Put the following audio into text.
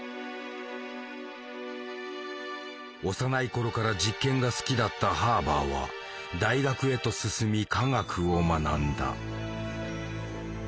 幼い頃から実験が好きだったハーバーは大学へと進み化学を学んだ。